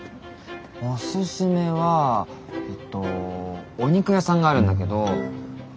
オススメはえっとお肉屋さんがあるんだけど。